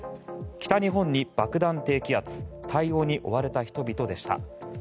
北日本に爆弾低気圧対応に追われた人々でした。